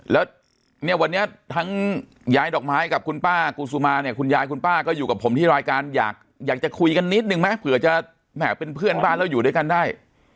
แล้วเนี่ยวันนี้ทั้งยายดอกไม้กับคุณป้ากูซูมาเนี่ยคุณยายคุณป้าก็อยู่กับผมที่รายการอยากจะคุยกันนิดนึงไหมเผื่อจะแหมเป็นเพื่อนบ้านแล้วอยู่ด้วยกันได้